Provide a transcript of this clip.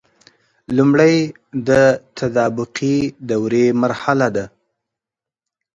لمړی د تطابقي دورې مرحله ده.